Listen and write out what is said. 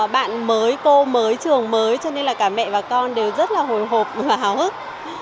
bạn mới cô mới trường mới cho nên là cả mẹ và con đều rất là hồi hộp và hào hức